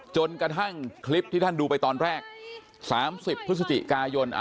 จนกระทั่งคลิปที่ท่านดูไปตอนแรก๓๐พฤศจิกายน